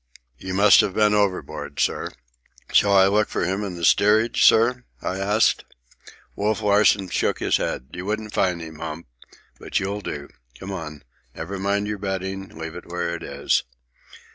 "You must have been overboard, sir." "Shall I look for him in the steerage, sir?" I asked. Wolf Larsen shook his head. "You wouldn't find him, Hump. But you'll do. Come on. Never mind your bedding. Leave it where it is."